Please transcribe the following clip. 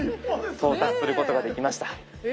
到達することができました。